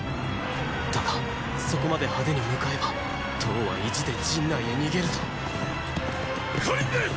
だがそこまで派手に向かえば騰は意地で陣内へ逃げるぞ燐です！